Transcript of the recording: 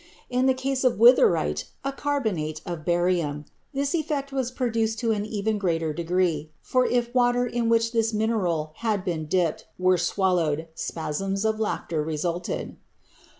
In the case of witherite, a carbonate of barium, this effect was produced to an even greater degree, for if water in which this mineral had been dipped were swallowed, spasms of laughter resulted.